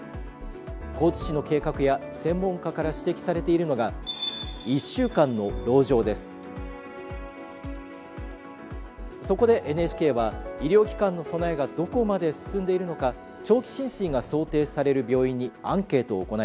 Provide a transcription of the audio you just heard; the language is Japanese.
高知市の計画や専門家から指摘されているのがそこでＮＨＫは医療機関の備えがどこまで進んでいるのか長期浸水が想定される病院にアンケートを行いました。